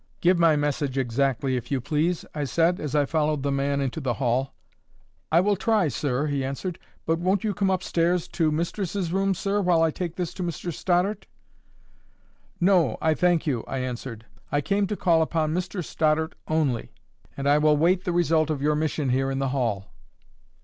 "Give my message exactly, if you please," I said, as I followed the man into the hall. "I will try, sir," he answered. "But won't you come up stairs to mistress's room, sir, while I take this to Mr Stoddart?" "No, I thank you," I answered. "I came to call upon Mr Stoddart only, and I will wait the result of you mission here in the hall."